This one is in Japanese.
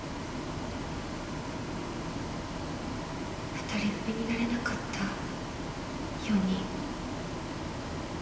２人組になれなかった４人。